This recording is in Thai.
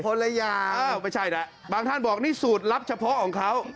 ละอย่างไม่ใช่แหละบางท่านบอกนี่สูตรลับเฉพาะของเขา